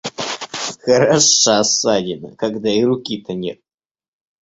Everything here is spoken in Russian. Хороша ссадина, когда и руки-то нет!